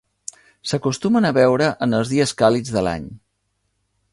S'acostumen a veure en els dies càlids de l'any.